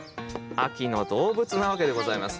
秋の動物なわけでございます。